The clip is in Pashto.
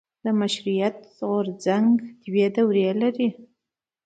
د مشروطیت غورځنګ دوه دورې لري.